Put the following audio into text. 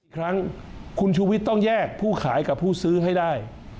อีกครั้งคุณชูวิทย์ต้องแยกผู้ขายกับผู้ซื้อให้ได้